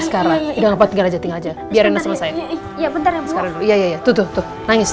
sekarang tinggal aja tinggal aja biar saya ya bentar ya iya ya tutup nangis